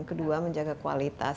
kedua menjaga kualitas